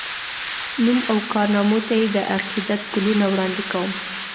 نوم او کارنامو ته یې د عقیدت ګلونه وړاندي کوم